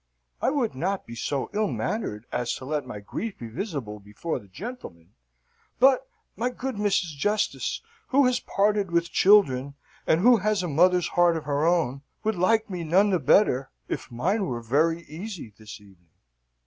I would not be so ill mannered as to let my grief be visible before the gentlemen; but, my good Mrs. Justice, who has parted with children, and who has a mother's heart of her own, would like me none the better, if mine were very easy this evening."